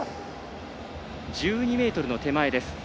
１２ｍの手前です。